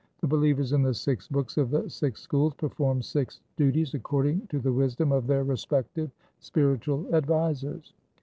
The believers in the six books of the six schools perform six duties according to the wisdom of their respective spiritual advisers.